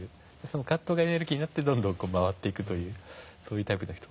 その葛藤がエネルギーになってどんどん回っていくというそういうタイプの人。